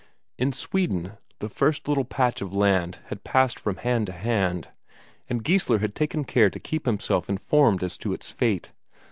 In Sweden, the first little patch of land had passed from hand to hand, and Geissler had taken care to keep himself informed as to its fate.